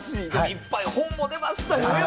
いっぱい本も出ましたよね。